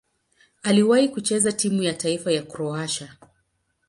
Aliwahi kucheza timu ya taifa ya Kroatia.